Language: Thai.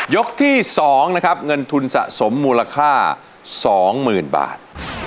ที่๒นะครับเงินทุนสะสมมูลค่า๒๐๐๐บาท